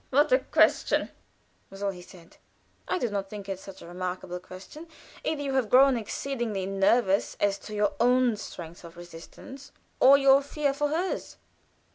"What a question!" was all he said. "I do not think it such a remarkable question. Either you have grown exceedingly nervous as to your own strength of resistance or your fear for hers."